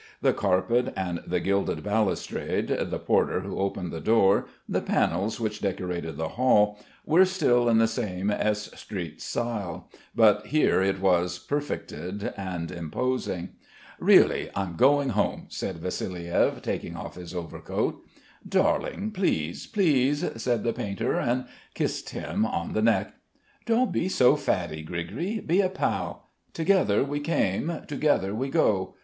The carpet and the gilded balustrade, the porter who opened the door, the panels which decorated the hall, were still in the same S v Street style, but here it was perfected and imposing. "Really I'm going home," said Vassiliev, taking off his overcoat. "Darling, please, please," said the painter and kissed him on the neck. "Don't be so faddy, Grigri be a pal. Together we came, together we go.